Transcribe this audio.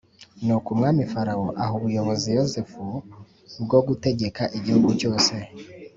Nuko umwami farawo aha ubuyobozi Yosefu bwo kugutegeka igihugu cyose